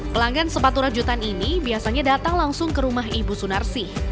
pelanggan sepatu rajutan ini biasanya datang langsung ke rumah ibu sunarsi